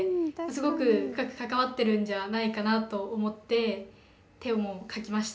すごく深く関わってるんじゃないかなと思って手も描きました。